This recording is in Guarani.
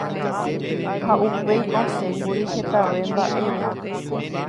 ha upéi osẽkuri hetave mba'ére